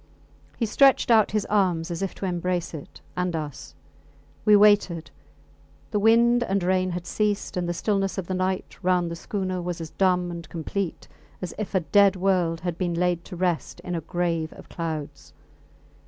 He stretched out his arms as if to embrace it and us. We waited. The wind and rain had ceased, and the stillness of the night round the schooner was as dumb and complete as if a dead world had been laid to rest in a grave of clouds.